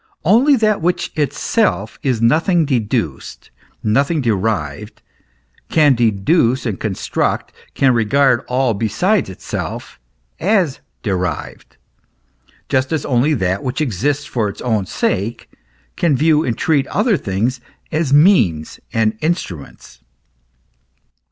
Only that which itself is nothing deduced, nothing derived, can deduce and cooi s tract, can regard all besides itself as derived ; just as only that which exists for its own sake can view and treat other things as means and instruments.